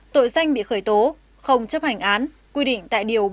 tội danh bị khởi tố không chấp hành án quy định tại điều ba trăm linh bốn